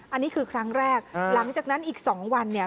อันนี้คือครั้งแรกหลังจากนั้นอีก๒วันเนี่ย